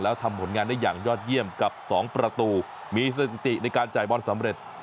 แล้วทำผลงานได้อย่างยอดเยี่ยมกับ๒ประตูมีสถิติในการจ่ายบอลสำเร็จ